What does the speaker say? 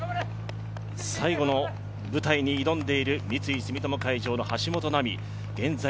最後の舞台に挑んでいる三井住友海上の橋本奈海